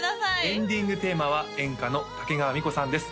エンディングテーマは演歌の竹川美子さんです